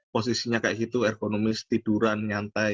posisinya kayak gitu ergonomis tiduran nyantai